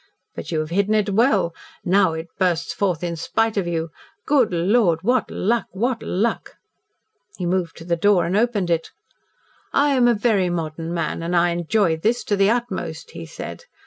But you have hidden it well. Now it bursts forth in spite of you. Good Lord! What luck what luck!" He moved to the door and opened it. "I am a very modern man, and I enjoy this to the utmost," he said.